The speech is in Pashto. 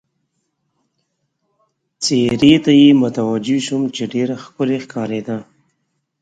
چېرې ته یې متوجه شوم، چې ډېره ښکلې ښکارېده.